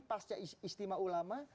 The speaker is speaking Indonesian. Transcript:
pasca istimewa ulama